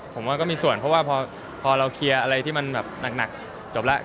ผมว่าก็มีส่วนเพราะว่าพอเราเคลียร์อะไรที่มันแบบหนักจบแล้ว